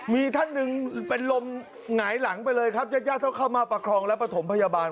มีท่านหนึ่งเป็นลมหงายหลังไปเลยครับญาติญาติต้องเข้ามาประคองและประถมพยาบาล